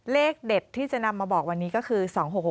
เลขเด็ดที่จะนำมาบอกวันนี้ก็คือ๒๖๖